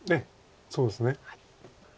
そうですね。